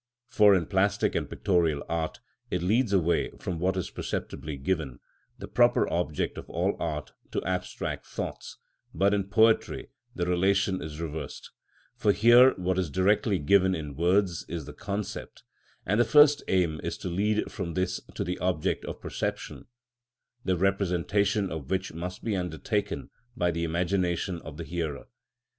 For in plastic and pictorial art it leads away from what is perceptibly given, the proper object of all art, to abstract thoughts; but in poetry the relation is reversed; for here what is directly given in words is the concept, and the first aim is to lead from this to the object of perception, the representation of which must be undertaken by the imagination of the hearer.